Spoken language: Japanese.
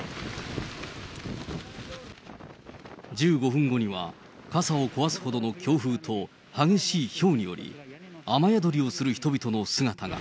１５分後には、傘を壊すほどの強風と激しいひょうにより、雨宿りをする人々の姿が。